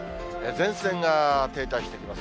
前線が停滞してきます。